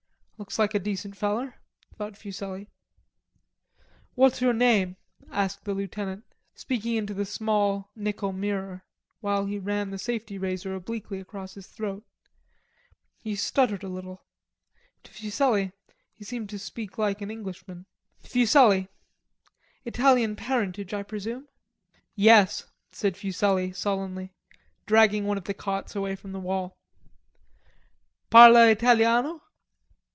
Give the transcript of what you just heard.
"Looks like a decent feller," thought Fuselli. "What's your name?" asked the lieutenant, speaking into the small nickel mirror, while he ran the safety razor obliquely across his throat. He stuttered a little. To Fuselli he seemed to speak like an Englishman. "Fuselli." "Italian parentage, I presume?" "Yes," said Fuselli sullenly, dragging one of the cots away from the wall. "Parla Italiano?"